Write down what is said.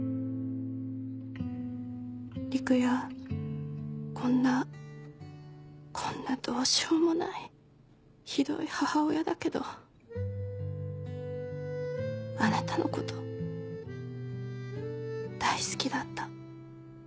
「陸也こんなこんなどうしようもないひどい母親だけどあなたのこと大好きだった。